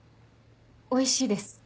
おいしいです。